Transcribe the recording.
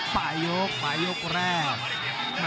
ปลายยกปลายยกแรก